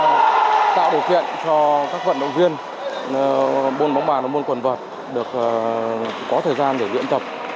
cũng đã tạo điều kiện cho các vận động viên bóng bàn và quần vợt có thời gian để diễn tập